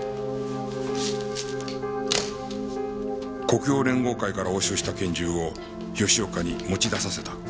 黒洋連合会から押収した拳銃を吉岡に持ち出させた。